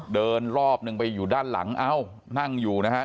รอบหนึ่งไปอยู่ด้านหลังเอ้านั่งอยู่นะครับ